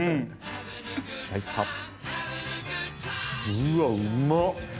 うわっうまっ！